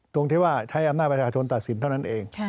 ตรงที่ว่าใช้อำนาจประชาชนตัดสินเท่านั้นเอง